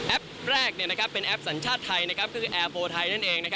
แอปแรกเป็นแอปสัญชาติไทยคือแอร์โฟไทย